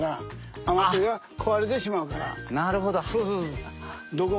なるほど。